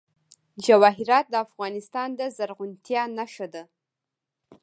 جواهرات د افغانستان د زرغونتیا نښه ده.